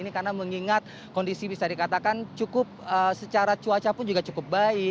karena mengingat kondisi bisa dikatakan cukup secara cuaca pun juga cukup baik